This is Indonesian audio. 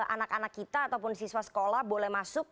anak anak kita ataupun siswa sekolah boleh masuk